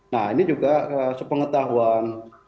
nah ini juga sepengetahuan